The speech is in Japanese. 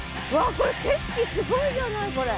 これ景色すごいじゃないこれ！